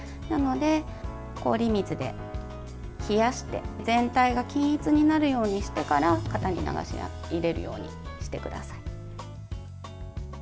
なので氷水で冷やして全体が均一になるようにしてから型に流し入れるようにしてください。